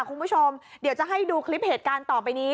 คุณผู้ชมเดี๋ยวจะให้ดูคลิปเหตุการณ์ต่อไปนี้